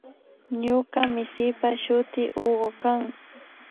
Ñuka misipa shuti Hugo kan